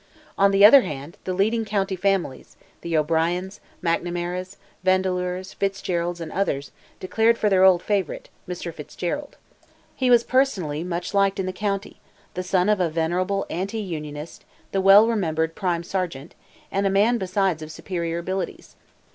On the other hand, the leading county families, the O'Briens, McNamaras, Vandeleurs, Fitzgeralds and others, declared for their old favourite, Mr. Fitzgerald. He was personally much liked in the county; the son of a venerable anti Unionist, the well remembered Prime Sergeant, and a man besides of superior abilities.